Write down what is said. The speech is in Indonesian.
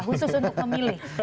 khusus untuk memilih